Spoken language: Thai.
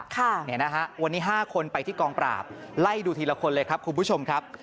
ค่ะเนี่ยนะฮะวันนี้๕คนไปที่กองปราบไล่ดูทีละคนเลยครับคุณผู้ชมครับ